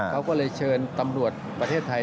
เขาก็เลยเชิญตำรวจประเทศไทย